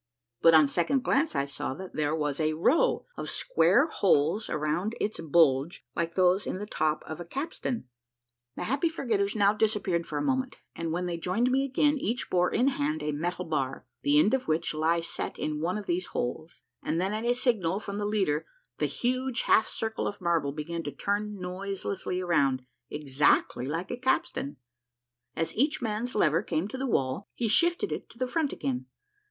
But on second glance I saw that there was a row of square holes around its bulge, like those in the top of a capstan. The Happy Forgetters now disappeared for a moment, and when they joined me again each bore in hand a metal bar, the end of which lie set in one of these holes, and then at a signal from the leader the huge half circle of marble began to turn noiselessly around, exactly like a capstan. As each man's lever came to the wall, he shifted it to the front again.